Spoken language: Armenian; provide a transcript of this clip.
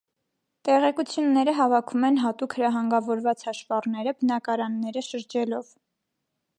Տեղեկությունները հավաքում են հատուկ հրահանգավորված հաշվառները՝ բնակարանները շրջելով։